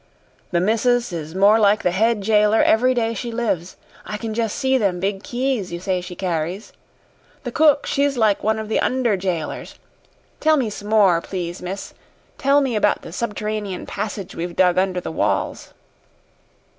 The missus is more like the head jailer every day she lives. I can jest see them big keys you say she carries. The cook she's like one of the under jailers. Tell me some more, please, miss tell me about the subt'ranean passage we've dug under the walls."